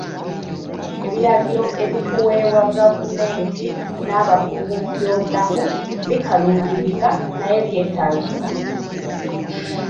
Ebiragiro ebituweebwa gavumenti n'abakugu mu byobulamu bikaluubiriza naye byetaagisa.